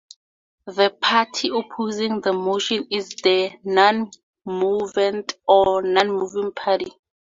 The party opposing the motion is the "nonmovant" or "nonmoving party".